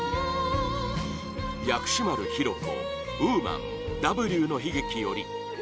薬師丸ひろ子「Ｗｏｍａｎ“Ｗの悲劇”より」